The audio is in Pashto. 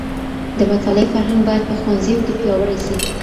د مطالعې فرهنګ بايد په ښوونځيو کي پياوړی سي.